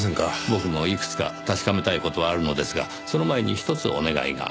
僕もいくつか確かめたい事はあるのですがその前にひとつお願いが。